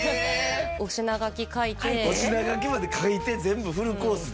お品書き書いてお品書きまで書いて全部フルコースで？